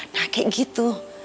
nah kayak gitu